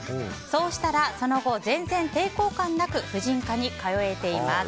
そうしたら、その後全然抵抗感なく婦人科に通えています。